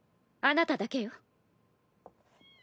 あなただけよ。